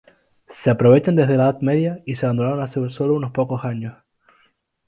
Se aprovechan desde la Edad Media y se abandonaron hace solo unos pocos años.